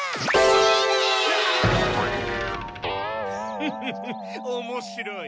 フフフおもしろい。